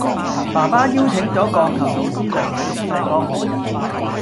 爸爸邀請咗鋼琴老師梁老師嚟幫我